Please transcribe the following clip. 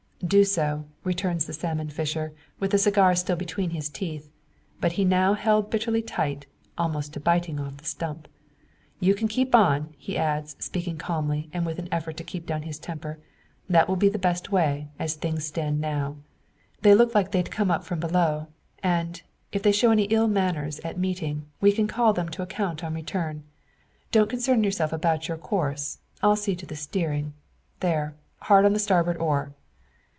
"Do so," returns the salmon fisher, with the cigar still between his teeth but now held bitterly tight, almost to biting off the stump. "You can keep on!" he adds, speaking calmly, and with an effort to keep down his temper; "that will be the best way, as things stand now. They look like they'd come up from below; and, if they show any ill manners at meeting, we can call them to account on return. Don't concern yourself about your course. I'll see to the steering. There! hard on the starboard oar!"